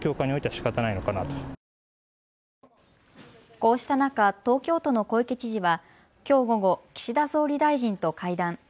こうした中、東京都の小池知事はきょう午後、岸田総理大臣と会談。